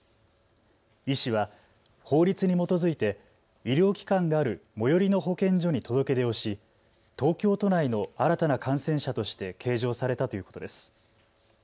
医師は法律に基づいて医療機関がある最寄りの保健所に届け出をし東京都内の新たな感染者として計上されたということです。